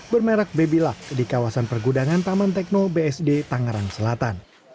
bermerek babyluck di kawasan pergudangan taman tekno bsd tangerang selatan